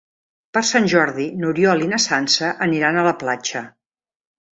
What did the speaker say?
Per Sant Jordi n'Oriol i na Sança aniran a la platja.